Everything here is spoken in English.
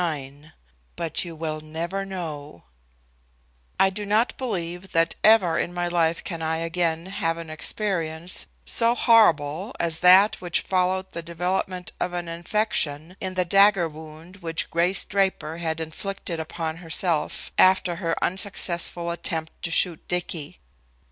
XXIX "BUT YOU WILL NEVER KNOW " I do not believe that ever in my life can I again have an experience so horrible as that which followed the development of infection in the dagger wound which Grace Draper had inflicted upon herself after her unsuccessful attempt to shoot Dicky.